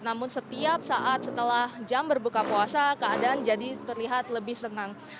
namun setiap saat setelah jam berbuka puasa keadaan jadi terlihat lebih senang